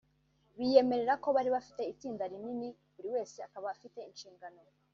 biyemerera ko bari bafite itsinda rinini buri wese akaba afite inshingano